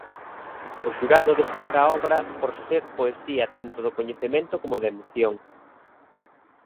O xurado destaca a obra por ser poesía tanto do coñecemento como da emoción.